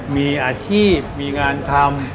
มีอาชีพมีงานทำ